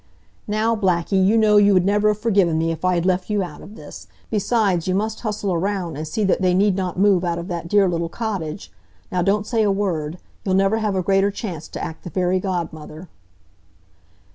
"Now, Blackie, you know you would never have forgiven me if I had left you out of this. Besides, you must hustle around and see that they need not move out of that dear little cottage. Now don't say a word! You'll never have a greater chance to act the fairy godmother."